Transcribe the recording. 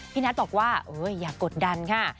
นัทบอกว่าอย่ากดดันค่ะ